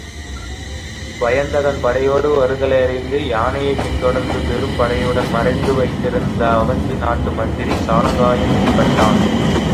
வயந்தகன் படையொடு வருதலையறிந்து யானையைப் பின்தொடர்ந்து பெரும் படையுடன் மறைந்து வந்திருந்த அவந்தி நாட்டு மந்திரி சாலங்காயன் வெளிப்பட்டான்.